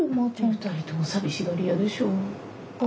２人とも寂しがり屋でしょう。